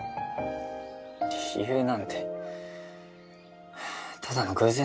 理由なんてただの偶然だろ？